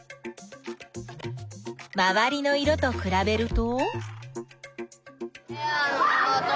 まわりの色とくらべると？